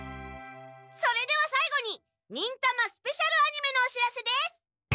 それではさいごに「忍たま」スペシャルアニメのお知らせです！